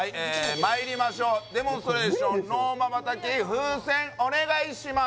まいりましょうデモンストレーションＮＯまばたき風船お願いします